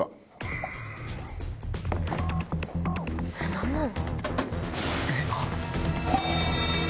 何なの？